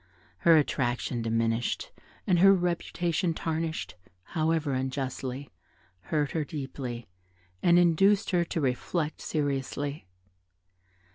Her attraction diminished and her reputation tarnished (however unjustly) hurt her deeply, and induced her to reflect seriously.